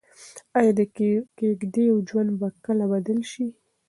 ايا د کيږديو ژوند به کله بدل شي؟